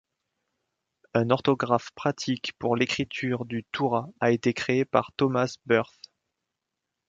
Un orthographe pratique pour l’écriture du toura a été créé par Thomas Bearth.